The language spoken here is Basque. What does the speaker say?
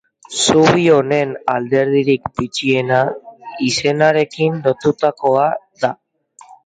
Zubi honen alderdirik bitxiena izenarekin lotutakoa da.